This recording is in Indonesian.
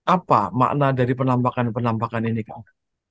apa makna dari penampakan penampakan ini kang